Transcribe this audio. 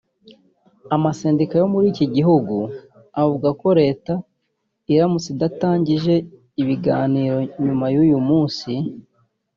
Amasendika yo muri iki gihugu avuga ko Leta iramutse idatangije ibiganiro nyuma y’ uyu munsi